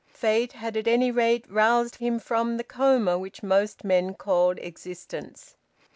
Fate had at any rate roused him from the coma which most men called existence.